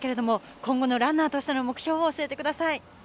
今後ランナーとしての目標を教えてください。